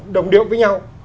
đồng điệu với nhau